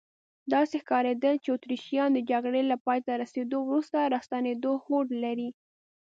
داسې ښکارېدل چې اتریشیان د جګړې له پایته رسیدو وروسته راستنېدو هوډ لري.